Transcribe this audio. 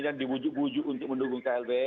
dan dibujuk bujuk untuk mendukung klb